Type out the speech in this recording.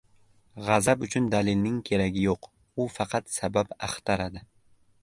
G‘azab uchun dalilning keragi yo‘q. U faqat sabab axtaradi.